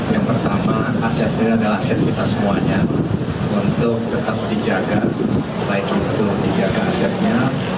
yang pertama asetnya adalah set kita semuanya untuk tetap dijaga baik itu dijaga hasilnya